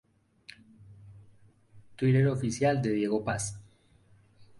Twitter Oficial de Diego Paz